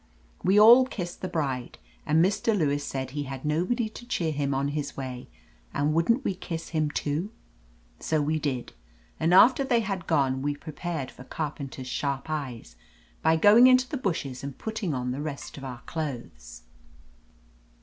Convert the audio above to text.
We all kissed the bride; and Mr. Lewis said he had nobody to cheer him on his way, and wouldn't we kiss him, too. So we did, and after they had gone we prepared, for Carpenter's sharp eyes by going into the bushes and putting on the rest of our clothes.